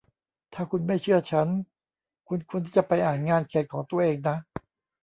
ถ้าคุณไม่เชื่อฉัน คุณควรที่จะไปอ่านงานเขียนของตัวเองนะ